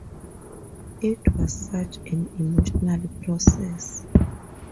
It was such an emotional process.